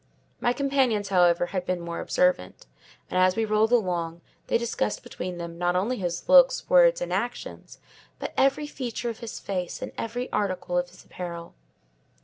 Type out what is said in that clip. My companions, however, had been more observant; and, as we rolled along, they discussed between them not only his looks, words, and actions, but every feature of his face, and every article of his apparel.